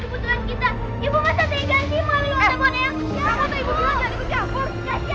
kamu ke ibu dulu jangan ikut campur